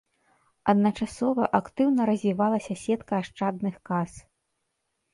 Адначасова актыўна развівалася сетка ашчадных кас.